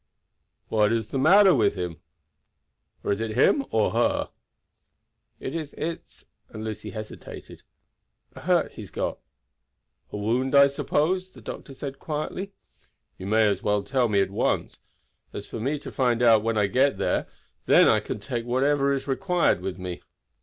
"What is the matter with him? Or is it him or her?" "It is it's " and Lucy hesitated, "a hurt he has got." "A wound, I suppose?" the doctor said quietly. "You may as well tell me at once, as for me to find out when I get there, then I can take whatever is required with me."